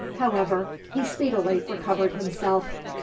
However, he speedily recovered himself.